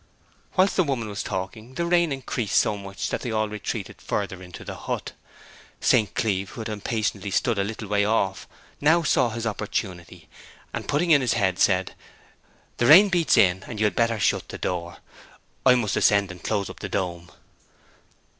While the woman was talking the rain increased so much that they all retreated further into the hut. St. Cleeve, who had impatiently stood a little way off, now saw his opportunity, and, putting in his head, said, 'The rain beats in; you had better shut the door. I must ascend and close up the dome.'